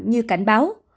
như cảnh báo